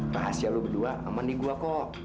rahasia lu berdua aman di gue kok